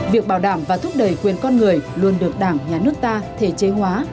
việc bảo đảm và thúc đẩy quyền con người luôn được đảng nhà nước ta thể chế hóa